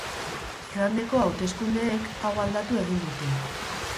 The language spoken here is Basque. Igandeko hauteskundeek hau aldatu egin dute.